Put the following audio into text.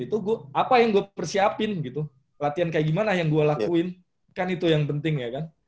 itu gue apa yang gue persiapin gitu latihan kayak gimana yang gue lakuin kan itu yang penting ya kan